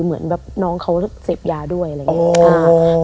เหมือนแบบน้องเขาเสพยาด้วยอะไรอย่างนี้